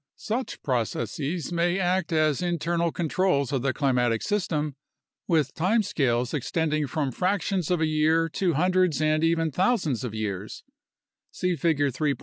Such processes may act as internal controls of the climatic system, 24 UNDERSTANDING CLIMATIC CHANGE with time scales extending from fractions of a year to hundreds and even thousands of years (see Figure 3.